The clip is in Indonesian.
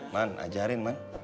man ajarin man